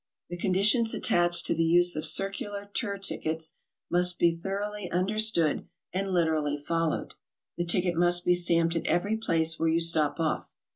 The conditions attached to the use of circular tour ticketvS must be thoroughly understood and literally followed. The ticket must be stamped at every place where you stop off.